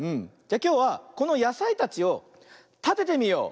じゃきょうはこのやさいたちをたててみよう。